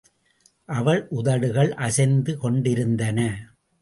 அவள் உதடுகள் அசைந்து கொண்டிருந்தன.